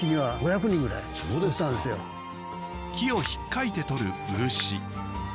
木をひっかいてとる漆。